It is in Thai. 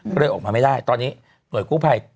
ก็เลยออกมาไม่ได้ตอนนี้หน่วยกู้ภัย